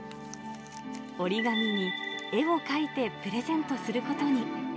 折り紙に絵を描いてプレゼントすることに。